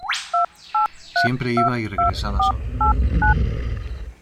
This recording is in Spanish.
Siempre iba y regresaba solo.